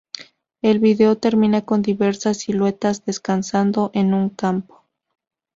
El vídeo termina con diversas siluetas descansando en un campo.